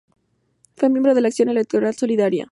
Fue miembro de Acción Electoral Solidaridad.